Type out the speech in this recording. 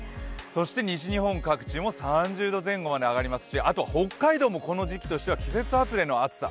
そして西日本各地も３０度前後まで上がりますし北海道もこの時期としては季節外れの暑さ。